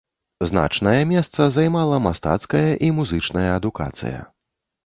Значнае месца займала мастацкая і музычная адукацыя.